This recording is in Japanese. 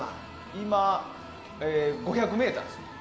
今、５００ｍです。